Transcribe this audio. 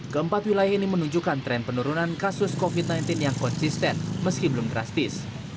keempat wilayah ini menunjukkan tren penurunan kasus covid sembilan belas yang konsisten meski belum drastis